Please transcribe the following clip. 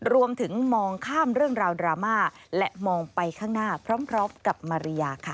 รวมถึงมองข้ามเรื่องราวดราม่าและมองไปข้างหน้าพร้อมกับมาริยาค่ะ